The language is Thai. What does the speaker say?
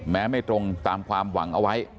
ไม่ตรงตามความหวังเอาไว้